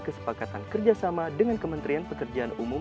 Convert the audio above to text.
kesepakatan kerjasama dengan kementerian pekerjaan umum